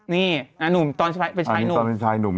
นี่นางหนุ่มตอนเป็นชายหนุ่ม